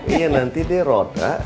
iya nanti dia ronda